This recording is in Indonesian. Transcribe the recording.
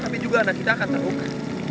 tapi juga anak kita akan terbuka